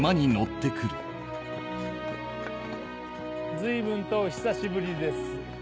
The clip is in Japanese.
随分とお久しぶりです